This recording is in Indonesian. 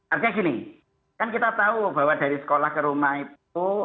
artinya gini kan kita tahu bahwa dari sekolah ke rumah itu